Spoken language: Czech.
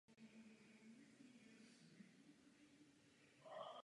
Vyhrál cenu za nejlepší nový koktejl.